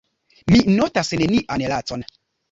Mi notas nenian lacon.